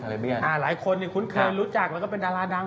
คาลิเบียอนอ่าหลายคนเนี้ยคุ้นเคยรู้จักแล้วก็เป็นดาราดัง